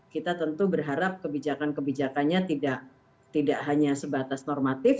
kita tentu berharap kebijakan kebijakannya tidak hanya sebatas normatif